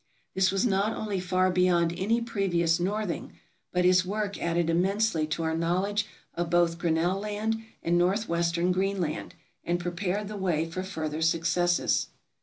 This was not only far beyond any previous northing, but his work added immensely to our knowledge of both Grinnell Land and northwestern Greenland, and prepared the way for further successes.